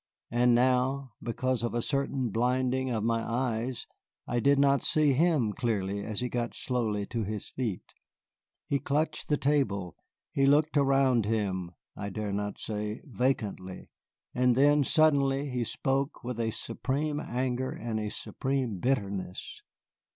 And now, because of a certain blinding of my eyes, I did not see him clearly as he got slowly to his feet. He clutched the table. He looked around him I dare not say vacantly. And then, suddenly, he spoke with a supreme anger and a supreme bitterness.